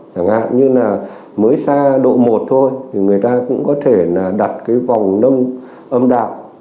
chẳng hạn như là mới xa độ một thôi thì người ta cũng có thể là đặt cái vòng nông âm đạo